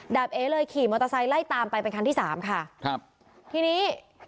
เอเลยขี่มอเตอร์ไซค์ไล่ตามไปเป็นคันที่สามค่ะครับทีนี้